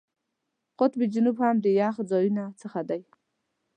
قطب جنوب هم د یخ ځایونو څخه دی.